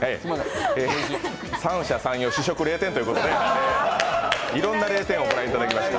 三者三様、試食０点ということでね、いろんな０点をご覧いただきました